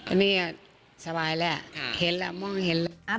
อันนี้สบายแล้วเห็นแล้วมองเห็นแล้ว